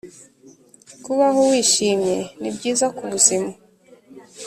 kubaho wishimye ni byiza k’ ubuzima